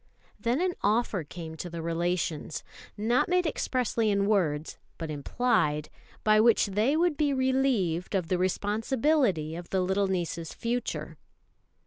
Then an offer came to the relations not made expressly in words, but implied by which they would be relieved of the responsibility of the little niece's future.